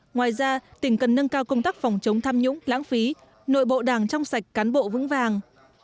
ngoài ra tỉnh cần nâng cao công tác phòng chống tham nhũng lãng phí nội bộ đảng trong sạch cán bộ vững vàng